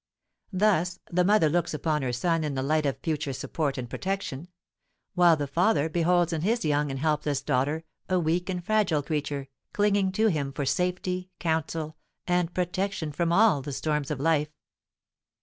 Thus, the mother looks upon her son in the light of a future support and protection; while the father beholds in his young and helpless daughter a weak and fragile creature, clinging to him for safety, counsel, and protection from all the storms of life."